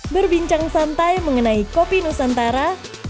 berbincang santai mengenai kopi nusantara